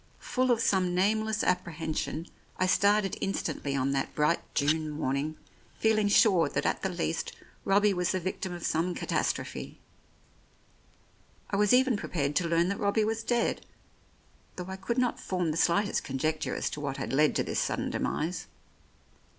Full of some nameless apprehension, I started in stantly on that bright June morning, feeling sure that at the least Robbie was the victim of some catastrophe. I was even prepared to learn that Robbie was dead, though I could not form the slightest conjecture as to what had led to this sudden 106 The Oriolists demise.